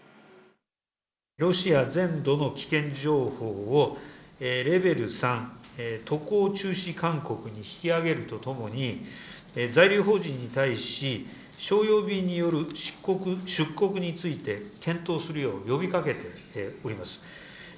ロシア全土の危険情報をレベル３、渡航中止勧告に引き上げるとともに、在留邦人に対し、商用便による出国について検討するよう呼びかけております。